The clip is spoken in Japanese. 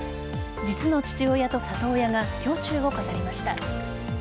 実の父親と里親が胸中を語りました。